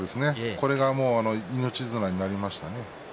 これが命綱になりましたね。